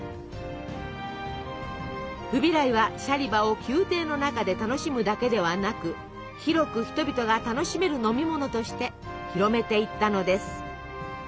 フビライはシャリバを宮廷の中で楽しむだけではなく広く人々が楽しめる飲み物として広めていったのです。